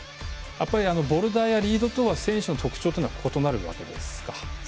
ボルダーやリードとは選手の特徴は異なるわけですか。